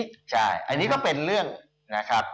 การลงทุนฝั่งนี้ใช่อันนี้ก็เป็นเรื่องนะครับ